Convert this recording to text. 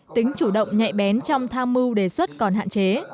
tính chủ động nhạy bén trong tham mưu đề xuất còn hạn chế